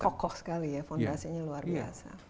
kokoh sekali ya fondasinya luar biasa